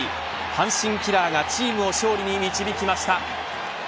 阪神キラーがチームを勝利に導きました。